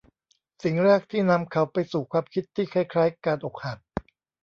สิ่งแรกที่นำเขาไปสู่ความคิดที่คล้าย ๆ การอกหัก